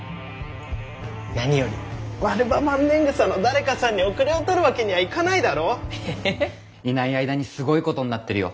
何よりマルバマンネングサの誰かさんに後れを取るわけにはいかないだろう？ええ？いない間にすごいことになってるよ